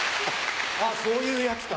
そういうやつか。